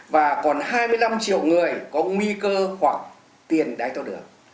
và còn hai mươi năm triệu người có nguy cơ hoặc tiền đáy thao đường